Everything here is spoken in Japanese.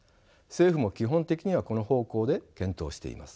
政府も基本的にはこの方向で検討しています。